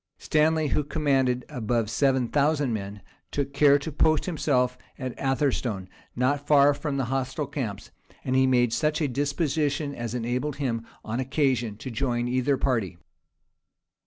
Stanley, who commanded above seven thousand men, took care to post himself at Atherstone, not far from the hostile camps; and he made such a disposition as enabled him on occasion to join either party.